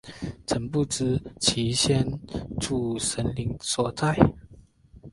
曾不知其先祖神灵所在。